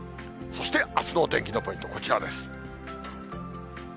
そしてあすのお天気のポイント、こちらです。